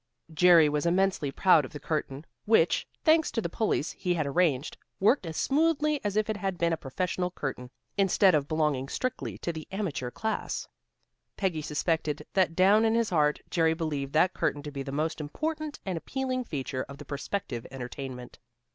Jerry was immensely proud of the curtain, which, thanks to the pulleys he had arranged, worked as smoothly as if it had been a professional curtain, instead of belonging strictly to the amateur class. Peggy suspected that down in his heart Jerry believed that curtain to be the most important and appealing feature of the prospective entertainment.